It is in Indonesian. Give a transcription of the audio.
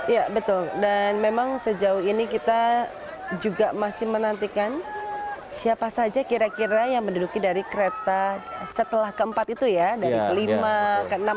ya betul dan memang sejauh ini kita juga masih menantikan siapa saja kira kira yang menduduki dari kereta setelah keempat itu ya dari kelima ke enam